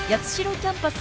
キャンパス